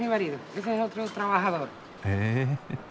へえ。